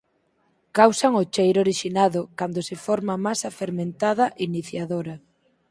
Causan o cheiro orixinado cando se forma masa fermentada iniciadora.